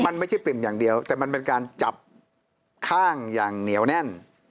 มันไม่ใช่ปริ่มอย่างเดียวแต่มันเป็นการจับข้างอย่างเหนียวแน่น